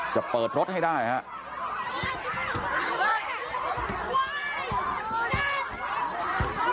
ก็เปิดรถให้ได้ฮะ